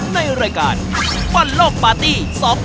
ในรายการปั่นโลกปาร์ตี้๒๐๒๒